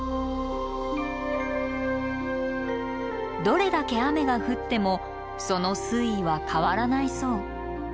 どれだけ雨が降ってもその水位は変わらないそう。